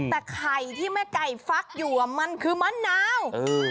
แต่ไข่ที่แม่ไก่ฟักอยู่มันคือมะนาว